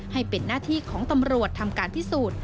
ให้เป็นหน้าที่ของตำรวจทำการพิสูจน์